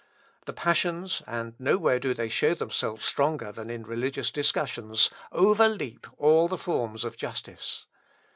The passions (and nowhere do they show themselves stronger than in religious discussions) overleap all the forms of justice.